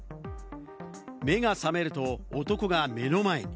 目が覚めると、男が目の前に。